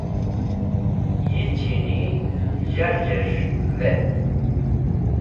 Yi chini zharzhes̃h dhet.